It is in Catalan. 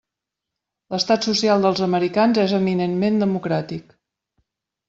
L'estat social dels americans és eminentment democràtic.